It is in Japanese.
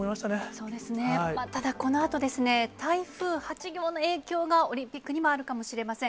そうですね、ただこのあとですね、台風８号の影響が、オリンピックにもあるかもしれません。